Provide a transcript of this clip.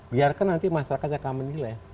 biarkan nanti masyarakat akan menilai